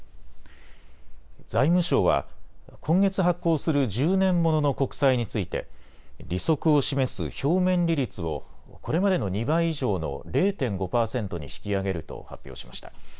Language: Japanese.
財務省は今月発行する１０年ものの国債について利息を示す表面利率をこれまでの２倍以上の０．５％に引き上げると発表しました。